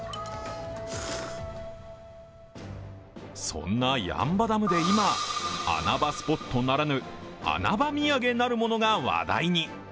そんな八ッ場ダムで今穴場スポットならぬ穴場土産なるものが話題に。